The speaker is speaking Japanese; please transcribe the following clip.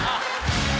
あ